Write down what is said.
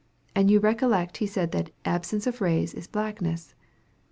And you recollect he said that "absence of rays is blackness."